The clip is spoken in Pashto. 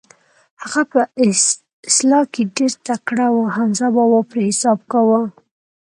هغه په اصلاح کې ډېر تکړه و، حمزه بابا پرې حساب کاوه.